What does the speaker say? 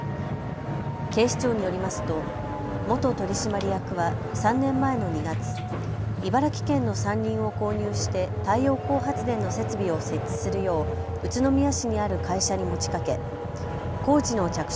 警視庁によりますと元取締役は３年前の２月、茨城県の山林を購入して太陽光発電の設備を設置するよう宇都宮市にある会社に持ちかけ工事の着手